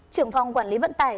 trưởng phòng quản lý vận tải